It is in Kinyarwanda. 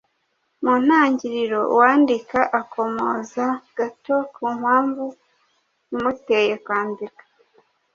Mu ntangiriro uwandika akomoza gato ku mpamvu imuteye kwandika.